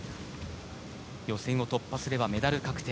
予選を突破すればメダル確定。